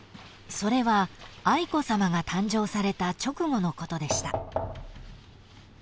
［それは愛子さまが誕生された直後のことでした］